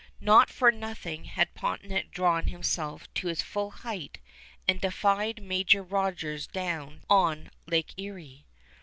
Not for nothing had Pontiac drawn himself to his full height and defied Major Rogers down on Lake Erie.